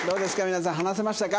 皆さん話せましたか？